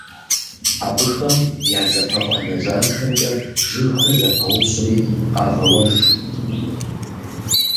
Абыхэм я дзапэфӀанэ жанхэмкӀэ жыгхэр зэпаупщӀри къагъэуэж.